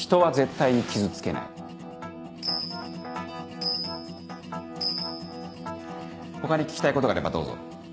他に聞きたいことがあればどうぞ。